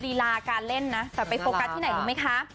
รีลาการเล่นนะแต่ไปโฟกัสที่ไหนรู้ไหมคะ